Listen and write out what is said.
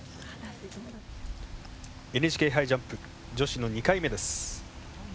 ＮＨＫ杯ジャンプ女子の２回目です。